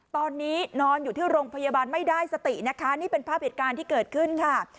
ตอนนี้นอนอยู่ที่โรงพยาบาลไม่ได้สตินะคะนี่เป็นภาพเหตุการณ์ที่เกิดขึ้นค่ะ